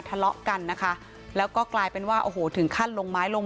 ทะเลาะกันนะคะแล้วก็กลายเป็นว่าโอ้โหถึงขั้นลงไม้ลง